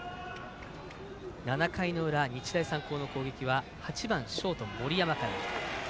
７回の裏、日大三高の攻撃は８番ショートの森山から。